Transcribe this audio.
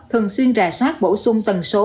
thường xuyên rà soát bổ sung tần số